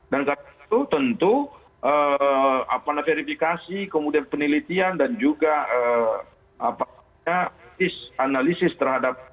dan karena itu tentu verifikasi kemudian penelitian dan juga analisis terhadap vaksin itu belum bisa dikeluarkan secara keseluruhan